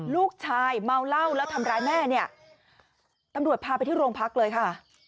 เมาเหล้าแล้วทำร้ายแม่เนี่ยตำรวจพาไปที่โรงพักเลยค่ะ